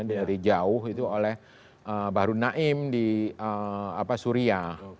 dari jauh itu oleh bahru naim di suria